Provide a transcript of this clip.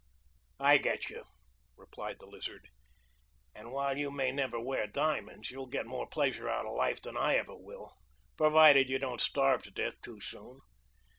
"I get you," replied the Lizard, "and while you may never wear diamonds, you'll get more pleasure out of life than I ever will, provided you don't starve to death too soon.